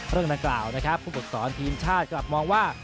เรื่องดังกล่าวนะครับผู้ฝึกสอนทีมชาติกลับมองว่า